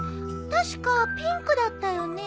確かピンクだったよね。